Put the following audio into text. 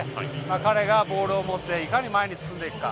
彼がボールを持っていかに前に進んでいくか。